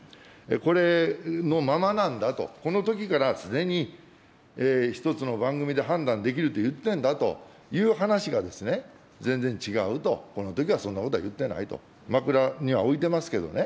これのままなんだと、このときからすでに１つの番組で判断できると言ってんだという話が、全然違うと、このときはそんなことは言ってないと、枕には置いてますけどね。